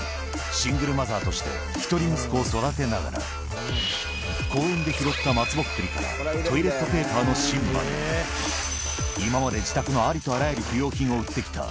シングルマザーとして１人息子を育てながら、公園で拾った松ぼっくりから、トイレットペーパーの芯まで、今まで自宅のありとあらゆる不用品を売ってきた。